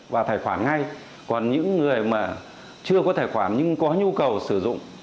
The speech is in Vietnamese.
và tài khoản ngay còn những người mà chưa có tài khoản nhưng có nhu cầu sử dụng